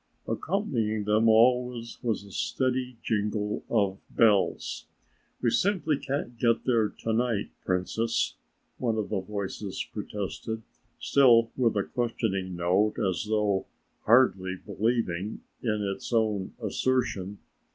Accompanying them always was a steady jingling of bells. "We simply can't get there to night, Princess," one of the voices protested, still with a questioning note as though hardly believing in its own assertion.